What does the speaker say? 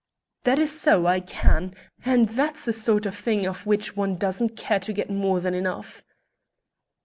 "That is so; I can. And that's a sort of thing of which one doesn't care to get more than enough."